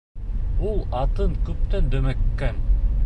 Ул атың күптән дөмөккән!